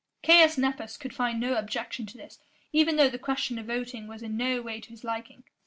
Caius Nepos could find no objection to this, even though the question of voting was in no way to his liking.